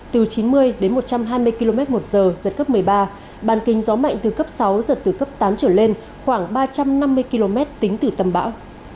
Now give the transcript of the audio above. từ chín mươi đến một trăm hai mươi km một giờ giật cấp một mươi ba bàn kinh gió mạnh từ cấp sáu giật từ cấp tám trở lên khoảng ba trăm năm mươi km tính từ tâm bão